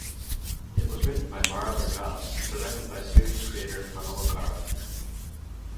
It was written by Mara Vargas and directed by series creator Manolo Caro.